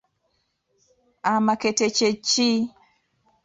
Amakkete kye ki?